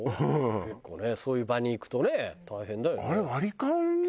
結構ねそういう場に行くとね大変だよね。